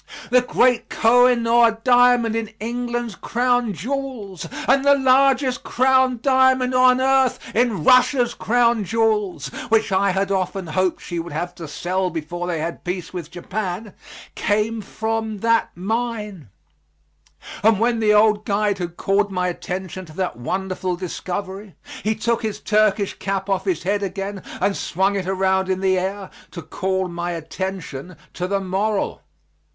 The great Kohinoor diamond in England's crown jewels and the largest crown diamond on earth in Russia's crown jewels, which I had often hoped she would have to sell before they had peace with Japan, came from that mine, and when the old guide had called my attention to that wonderful discovery he took his Turkish cap off his head again and swung it around in the air to call my attention to the moral.